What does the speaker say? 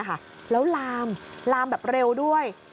แล้วลามลามแบบเร็วด้วย